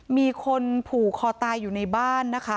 มีคนผูกคอตายอยู่ในบ้านนะคะ